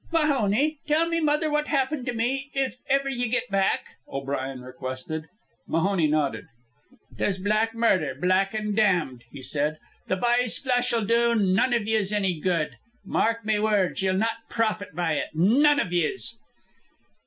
"Mahoney, tell me mother what happened to me, if ever ye get back," O'Brien requested. Mahoney nodded. "'Tis black murder, black an' damned," he said. "The b'y's flesh'll do none iv yez anny good. Mark me words. Ye'll not profit by it, none iv yez."